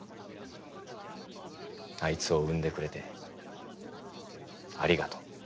あいつを産んでくれてありがとう。